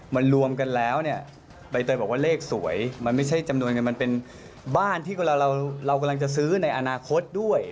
มันรวมกันแล้วเนี่ยใบเตยบอกว่าเลขสวยมันไม่ใช่จำนวนเงินมันเป็นบ้านที่เรากำลังจะซื้อในอนาคตด้วย